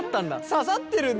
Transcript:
刺さってるんだ。